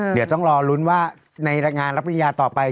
เดี๋ยวต้องรอลุ้นว่าในรายงานรับปริญญาต่อไป